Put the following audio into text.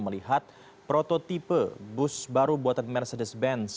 melihat prototipe bus baru buatan mercedes benz